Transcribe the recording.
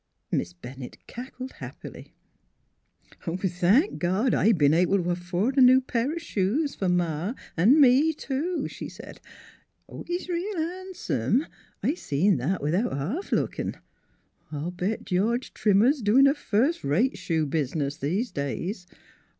Miss Bennett cackled happily. " Thank God, I've be'n able t' afford a new pair o' shoes, for Ma an' me, too," she said. "He's reel han'some; I seen that without half lookin'. I'll bet George Trimmer's doin' a first rate shoe business these days.